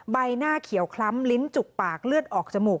ใบหน้าเขียวคล้ำลิ้นจุกปากเลือดออกจมูก